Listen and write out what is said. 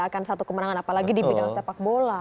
akan satu kemenangan apalagi di bidang sepak bola